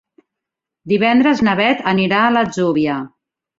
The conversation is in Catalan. Divendres na Beth anirà a l'Atzúbia.